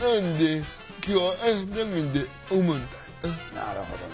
なるほどね。